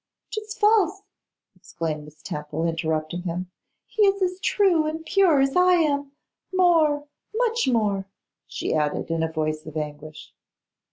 ''Tis false,' exclaimed Miss Temple, interrupting him; 'he is as true and pure as I am; more, much more,' she added, in a voice of anguish.